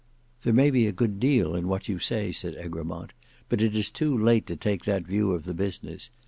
"There may be a good deal in what you say," said Egremont; "but it is too late to take that view of the business.